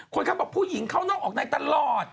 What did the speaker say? เขาบอกผู้หญิงเข้านอกออกในตลอด